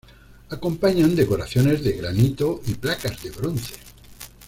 Acompañan decoraciones de granito y placas de bronce.